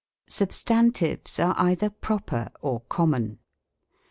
Substantives are either proper or common.